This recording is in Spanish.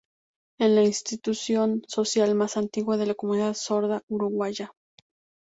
Es la institución social más antigua de la Comunidad Sorda Uruguaya.